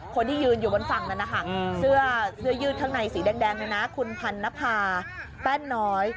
คนที่ยืนอยู่บนฝั่งนั้นนะคะเสื้อยืดข้างในสีแดงเนี่ยนะคุณพันนภาแป้นน้อย